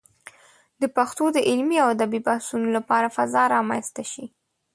د پښتو د علمي او ادبي بحثونو لپاره فضا رامنځته شي.